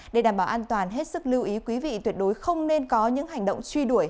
để đảm bảo an toàn hết sức lưu ý quý vị tuyệt đối không nên có những hành động truy đuổi